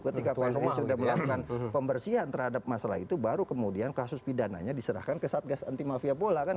ketika pssi sudah melakukan pembersihan terhadap masalah itu baru kemudian kasus pidananya diserahkan ke satgas anti mafia bola kan